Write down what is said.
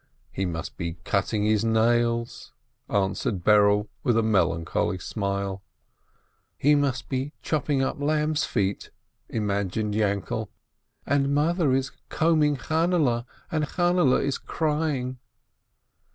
"He must be cutting his nails/' answered Berele, with a melancholy smile. "He must be chopping up lambs' feet," imagined Yainkele, "and Mother is combing Chainele, and Chainele is crying."